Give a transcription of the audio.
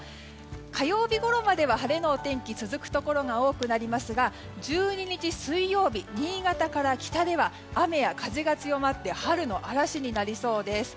火曜日ごろまでは晴れのお天気続くところが多くなりますが１２日水曜日、新潟から北では雨や風が強まって春の嵐になりそうです。